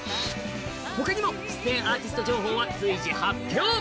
他にも、出演アーティスト情報は随時発表。